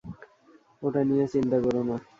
ওটা নিয়ে চিন্তা কোরো না।